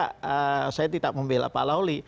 jangan juga saya tidak membela pak lawli